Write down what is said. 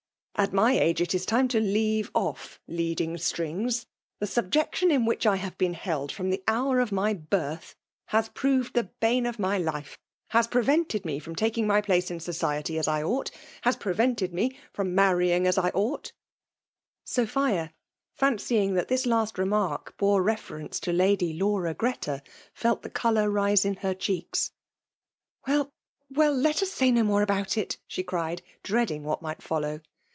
*' At my age it is time to leave off leading strings. The subjection in whidi I have been held from the hour of my birUi has proved the bane of my life— has prev^ted me from taking my place in society as I ought — ^has prevented me from marrying as I ought " PBMAt/lS DOMmATItnt. 13 SopUft, faiK^ng that this laat ^remark h^nte reference to Lady Laura Greta, 'felt the colour rise in her dheeks. <* Well, well, let us say no more about itj*' she cried, dreading what might follow.